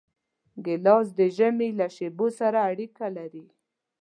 ګیلاس د ژمي له شېبو سره اړیکه لري.